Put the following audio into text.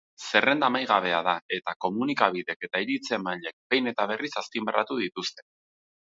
Zerrenda amaigabea da eta komunikabideek eta iritzi-emaileek behin eta berriz azpimarratu dituzte.